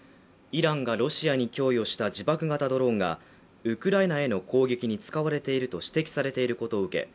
イランがロシアに供与した自爆型ドローンがウクライナへの攻撃に使われていると指摘されていることを受け